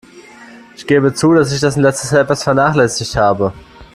Ich gebe zu, dass ich das in letzter Zeit etwas vernachlässigt habe.